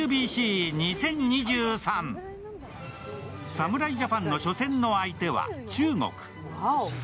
侍ジャパンの初戦の相手は中国。